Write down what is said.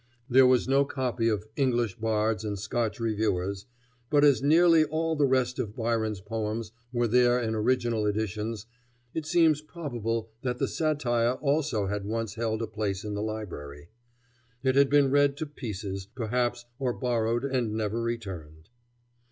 There was no copy of "English Bards and Scotch Reviewers," but as nearly all the rest of Byron's poems were there in original editions, it seems probable that the satire also had once held a place in the library. It had been read to pieces, perhaps, or borrowed and never returned.